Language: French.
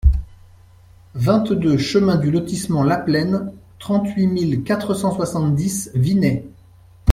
vingt-deux chemin du Lotissement la Plaine, trente-huit mille quatre cent soixante-dix Vinay